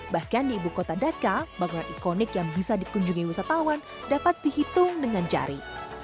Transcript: bahkan di ibu kota dhaka bangunan ikonik yang bisa dikunjungi wisatawan dapat dihitung dengan jari